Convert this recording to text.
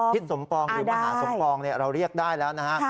สมปองหรือมหาสมปองเราเรียกได้แล้วนะฮะ